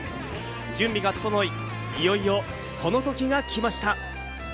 準備が整い、いよいよ、その時が来ました。